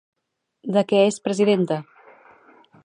De què és presidenta?